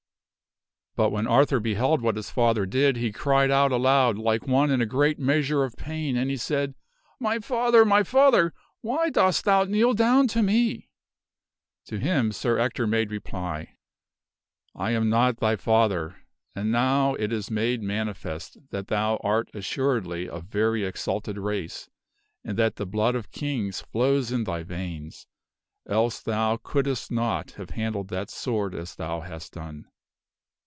But when Arthur beheld what his father did, he cried out aloud like one in a great measure of pain; and he said, My father! my father! why dost thou kneel down to me?" To him Sir Ector made reply, " I am not thy father, and now it is made manifest that thou art assuredly of very exalted race and that the blood ot 24 THE WINNING OF KINGHOOD kings flows in thy veins, else thou couldst not have handled that sword as thou hast done."